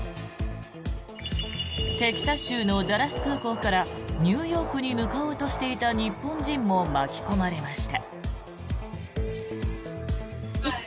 テキサス州のダラス空港からニューヨークに向かおうとしていた日本人も巻き込まれました。